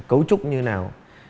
cấu trúc như thế nào